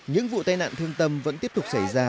những vụ tai nạn thương tâm vẫn tiếp tục xảy ra